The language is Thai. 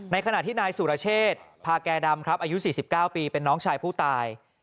ขณะที่นายสุรเชษพาแก่ดำครับอายุ๔๙ปีเป็นน้องชายผู้ตาย